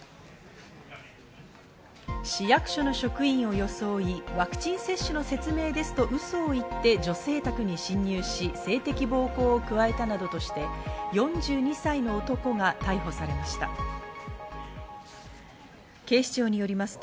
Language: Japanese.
市役所の職員を装い、ワクチン接種の説明ですと嘘を言って、女性宅に侵入し、性的暴行を加えたなどとして４２歳の男が逮捕されました。